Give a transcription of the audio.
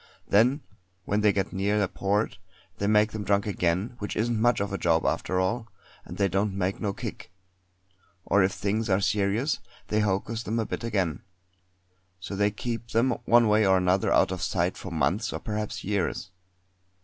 Then when they get near a port they make them drunk again, which isn't much of a job after all, and they don't make no kick; or if things are serious they hocus them a bit again. So they keep them one way or another out of sight for months or perhaps years.